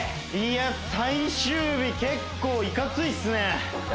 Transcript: いや最終日結構いかついっすね！